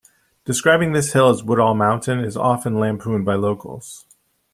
Describing this hill as Woodall Mountain is often lampooned by locals.